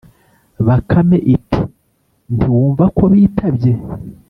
Bakame iti: "Ntiwumva ko bitabye?"